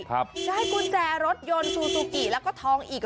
ได้กุญแจรถยนต์ซูซูกิแล้วก็ทองอีก